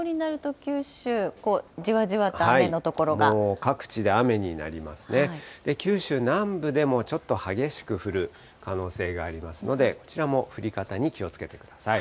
九州南部でもちょっと激しく降る可能性がありますので、こちらも降り方に気をつけてください。